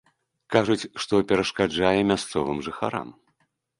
Кажуць, што перашкаджае мясцовым жыхарам.